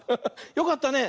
よかったね。